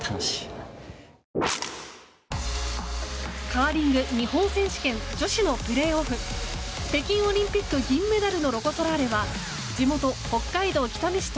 カーリング日本選手権女子のプレーオフ北京オリンピック銀メダルのロコ・ソラーレは地元・北海道北見市